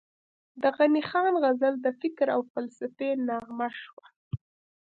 د غني خان غزل د فکر او فلسفې نغمه شوه،